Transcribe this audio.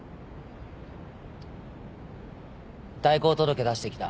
退校届出してきた